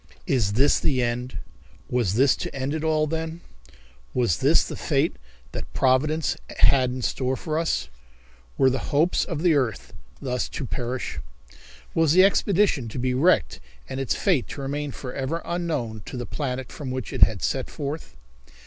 Is This the End? Was this to end it all, then? Was this the fate that Providence had in store for us? Were the hopes of the earth thus to perish? Was the expedition to be wrecked and its fate to remain forever unknown to the planet from which it had set forth?